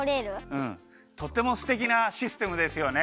うんとってもすてきなシステムですよね。